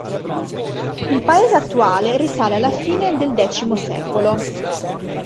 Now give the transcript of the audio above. Il paese attuale risale alla fine del X secolo.